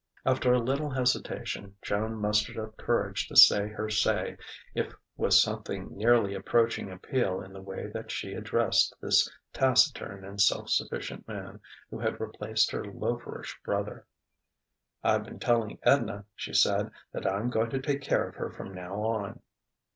After a little hesitation, Joan mustered up courage to say her say, if with something nearly approaching appeal in the way that she addressed this taciturn and self sufficient man who had replaced her loaferish brother. "I've been telling Edna," she said, "that I'm going to take care of her from now on."